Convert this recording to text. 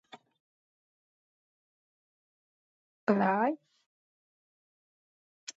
კომპლექსი შეიცავს საყარაულო კოშკებს, რომლებიც სისტემის დაცვის მიზნით იყო აშენებული.